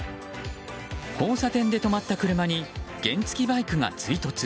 交差点で止まった車に原付きバイクが追突。